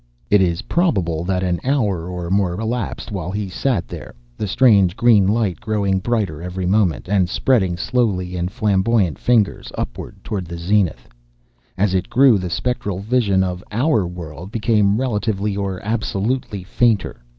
It is probable that an hour or more elapsed while he sat there, the strange green light growing brighter every moment, and spreading slowly, in flamboyant fingers, upward towards the zenith. As it grew, the spectral vision of our world became relatively or absolutely fainter.